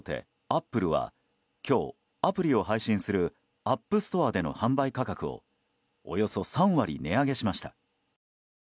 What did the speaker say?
アップルは今日アプリを配信するアップストアでの販売価格をおよそ３割、値上げしました。